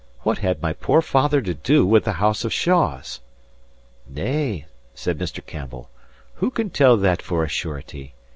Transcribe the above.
"What had my poor father to do with the house of Shaws?" "Nay," said Mr. Campbell, "who can tell that for a surety?